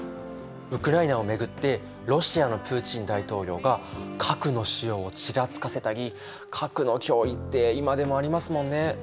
ウクライナを巡ってロシアのプーチン大統領が核の使用をちらつかせたり核の脅威って今でもありますもんね。